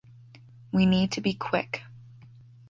We need to be quick.